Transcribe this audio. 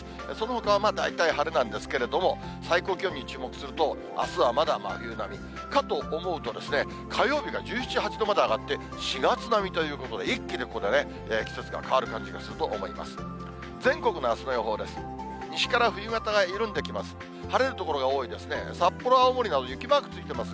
かと思うと、火曜日が１７、８度まで上がって４月並みということで、一気にここで季節が変わる感じがすると思います。